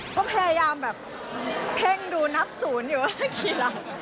เขาพยายามแบบเท่งดูนับศูนย์อยู่ก่อนกี่หลัก